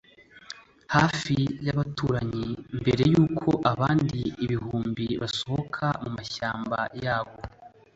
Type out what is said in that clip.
hafi yabaturanyi mbere yuko abandi ibihumbi basohoka mumashyamba yabo